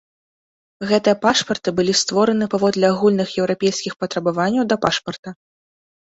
Гэтыя пашпарты былі створаны паводле агульных еўрапейскіх патрабаванняў да пашпарта.